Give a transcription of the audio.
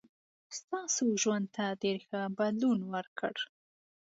ستاسو ژوند ته ډېر ښه بدلون ورکړ.